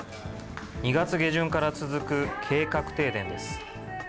２月下旬から続く、計画停電です。